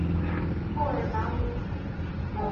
布尔达蒙。